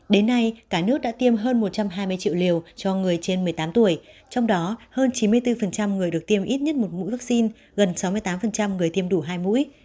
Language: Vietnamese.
đến nay cả nước đã tiêm hơn một trăm hai mươi triệu liều cho người trên một mươi tám tuổi trong đó hơn chín mươi bốn người được tiêm ít nhất một mũi vaccine gần sáu mươi tám người tiêm đủ hai mũi